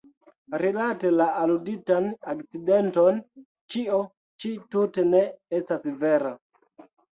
Rilate la aluditan akcidenton ĉio ĉi tute ne estas vera.